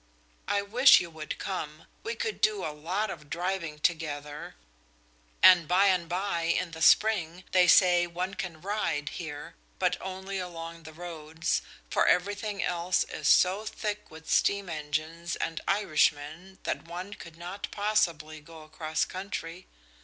I wish you would come! We would do a lot of driving together, and by and by, in the spring, they say one can ride here, but only along the roads, for everything else is so thick with steam engines and Irishmen that one could not possibly go across country.